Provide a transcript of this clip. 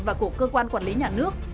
và của cơ quan quản lý nhà nước